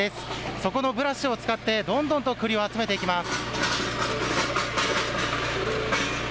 底のブラシを使ってどんどんとくりを集めていきます。